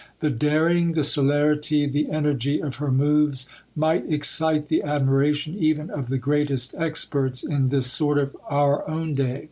The daring, the celerity, the energy of her moves might excite the admiration even of the greatest experts in this sort of our own day.